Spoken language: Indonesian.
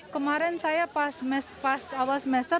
kemarin saya pas awal semester